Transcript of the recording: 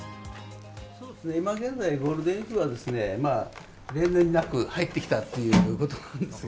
そうですね、今現在、ゴールデンウィークはですね、例年になく、入ってきたということなんですが。